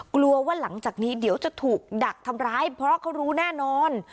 กลัวว่าหลังจากนี้เดี๋ยวจะถูกดักทำร้ายเพราะเขารู้แน่นอน